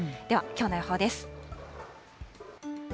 ではきょうの予報です。